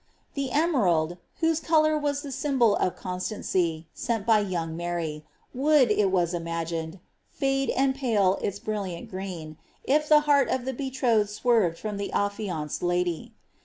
'" The emerald, whose colour was the sym bol of constancy, sent by young Mary, would, it was imagined, fade and pale its brilliant green, if the heart of the betrothed swerved from the iffianced lady.